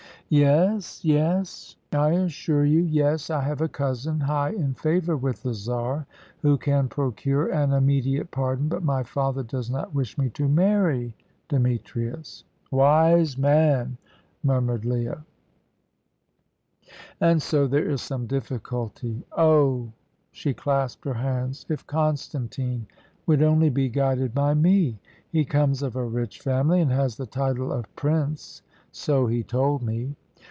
"Yes, yes; I assure you yes. I have a cousin, high in favour with the Czar, who can procure an immediate pardon. But my father does not wish me to marry Demetrius " "Wise man," murmured Leah. "And so there is some difficulty. Oh" she clasped her hands "if Constantine would only be guided by me! He comes of a rich family, and has the title of Prince " "So he told me."